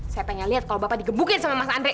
saya pengen liat kalau bapak digemukin sama mas andre